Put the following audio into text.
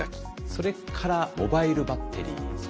それからモバイルバッテリー。